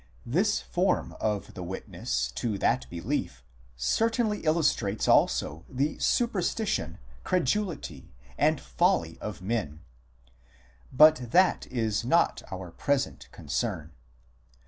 This form of the witness to that belief certainly illustrates also the superstition, credulity, and folly of men ; but that is not our present concern.